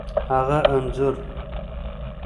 هغه انځور،